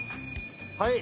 はい。